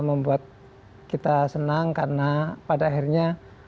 membuat kita senang karena pada akhirnya